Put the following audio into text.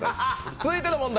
続いての問題。